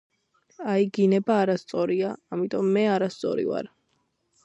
აი გინება არასწორია.ამიტომ, მე არასწორი ვარ